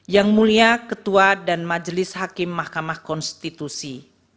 yang mulia ketua dan majelis hakim mahkamah konstitusi